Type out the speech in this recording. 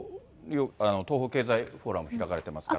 東方経済フォーラムを抱えてますから。